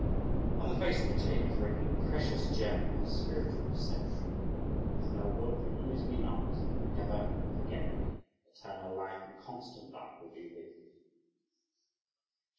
On the face of the jade was written: Precious Gem of Spiritual Perception. If thou wilt lose me not and never forget me, Eternal life and constant luck will be with thee!